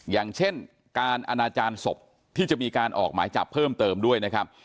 อย่างเช่นการอนาจารย์ศพที่จะมีการออกหมายจับเพิ่มเติมด้วยนะครับ